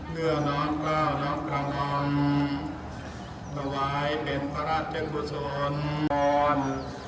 เมื่อน้องกล้าวน้องกลางอ่อนมาวายเป็นพระราชกุศล